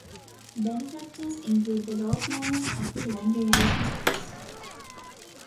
Benefactors include the Lord Mayor's Appeal and various hospices.